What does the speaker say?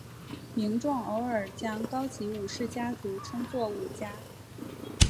民众偶尔将高级武士家族称作武家。